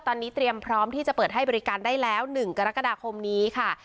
ตอนนี้เตรียมพร้อมที่จะเปิดให้บริการได้แล้ว๑กรกฎาคมนี้ค่ะ